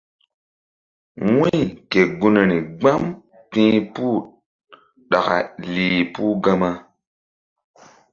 Wu̧y ke gunri gbam ti̧h puh ɗaka lih puh gama.